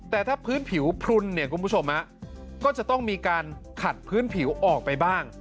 แต่ถ้าพื้นผิวพรุนก็จะต้องมีการขัดพื้นผิวออกไปบ้าง